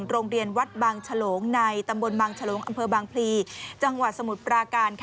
โรงเรียนวัดบางฉลงในตำบลบางฉลงอำเภอบางพลีจังหวัดสมุทรปราการ